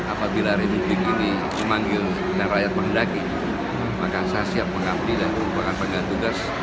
apabila republik ini memanggil dan rakyat menghendaki maka saya siap mengabdi dan merupakan penggal tugas